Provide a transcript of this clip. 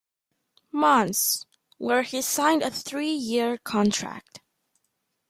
Mons, where he signed a three-year contract.